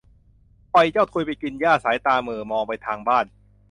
ปล่อยเจ้าทุยไปกินหญ้าสายตาเหม่อมองไปทางบ้าน